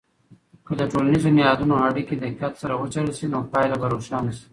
که د ټولنیزو نهادونو اړیکې دقت سره وڅیړل سي، نو پایله به روښانه سي.